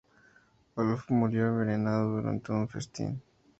Olof murió envenenado durante un festín.